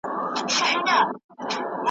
لوی فرعون امر وکړ پر مصریانو ,